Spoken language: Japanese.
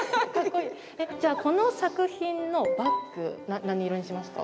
じゃあこの作品のバック何色にしますか？